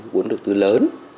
vốn đầu tư lớn